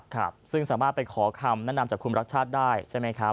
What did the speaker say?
ครับซึ่งสามารถไปขอคำแนะนำจากคุณรักชาติได้ใช่ไหมครับ